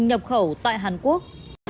cùng nhập khẩu tại hàn quốc